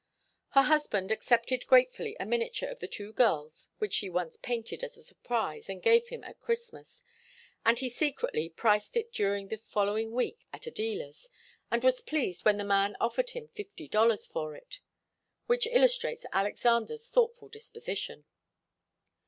Her husband accepted gratefully a miniature of the two girls which she once painted as a surprise and gave him at Christmas, and he secretly priced it during the following week at a dealer's, and was pleased when the man offered him fifty dollars for it, which illustrates Alexander's thoughtful disposition.